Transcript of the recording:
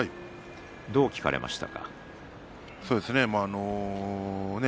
どう聞かれましたか？